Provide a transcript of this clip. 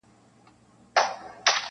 نن یو امر او فرمان صادرومه-